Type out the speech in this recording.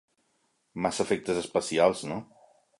Massa efectes especials, no?